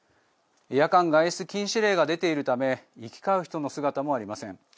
夜間外出禁止令が出ているため行き交う人の姿もありません。